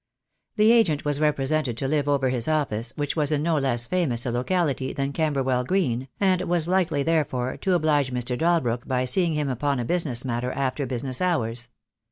The agent was represented to live over his office, which was in no less famous a locality than Camberwell Green, and was likely, therefore, to oblige Mr. Dalbrook by seeing him upon a business matter after business hours.